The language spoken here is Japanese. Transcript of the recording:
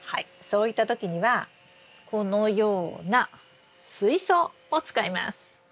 そういった時にはこのような水槽を使います。